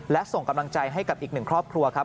และส่งกำลังใจให้กับอีกหนึ่งครอบครัวครับ